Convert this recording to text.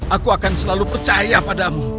aku akan selalu percaya padamu